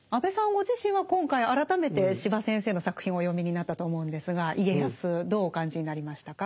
ご自身は今回改めて司馬先生の作品をお読みになったと思うんですが家康どうお感じになりましたか？